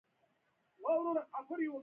د زیتون تېل د زړه لپاره ښه دي